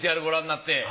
ＶＴＲご覧になって。